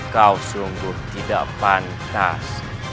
kau sungguh tidak pantas